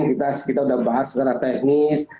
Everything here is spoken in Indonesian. kita sudah bahas secara teknis